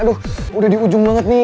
aduh udah di ujung banget nih